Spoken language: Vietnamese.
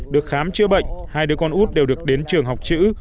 được khám chữa bệnh hai đứa con út đều được đến trường học chữ